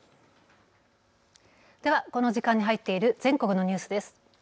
ではこの時間に入っている全国のニュースです。